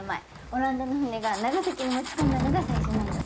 オランダの船が長崎に持ち込んだのが最初なんだって。